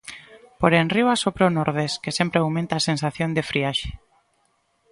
Por enriba, sopra o nordés, que sempre aumenta a sensación de friaxe.